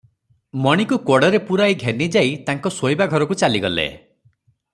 ମଣିକୁ କୋଡ଼ରେ ପୁରାଇ ଘେନିଯାଇ ତାଙ୍କ ଶୋଇବା ଘରକୁ ଚାଲିଗଲେ ।